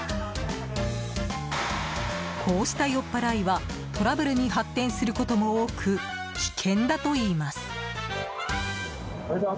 こうした酔っ払いはトラブルに発展することも多く危険だといいます。